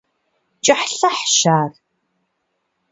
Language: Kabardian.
КӀыхьлъыхьщ ар…